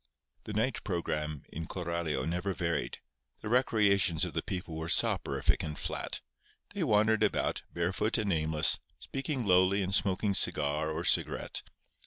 The night programme in Coralio never varied. The recreations of the people were soporific and flat. They wandered about, barefoot and aimless, speaking lowly and smoking cigar or cigarette.